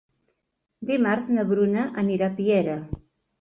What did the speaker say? Dimarts na Bruna anirà a Piera.